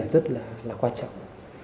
rất là quan trọng